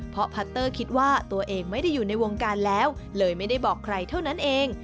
เพราะพัตเตอร์คิดว่าตัวเองไม่ได้อยู่ในวงการแล้วเลยไม่ได้บอกใครเท่านั้นเอง